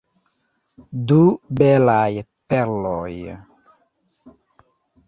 Du belaj perloj!